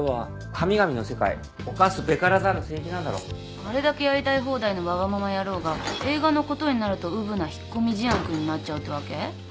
あれだけやりたい放題のわがまま野郎が映画のことになるとうぶな引っ込み思案君になっちゃうわけ？